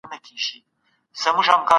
پکتيا د جرګو وطن دی.